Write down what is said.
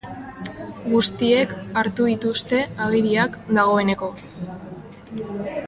Guztiek hartu dituzte agiriak dagoeneko.